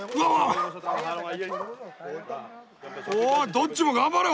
どっちも頑張れ！